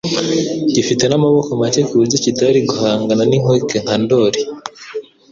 gifite n'amaboko make ku buryo kitari guhangana n'Inkuke nka Ndoli.